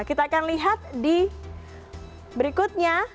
kita akan lihat di berikutnya